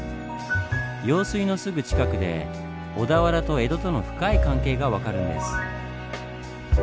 用水のすぐ近くで小田原と江戸との深い関係が分かるんです。